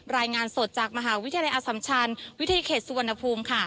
รายงานสดจากมหาวิทยาลัยอสัมชันวิทยาเขตสุวรรณภูมิค่ะ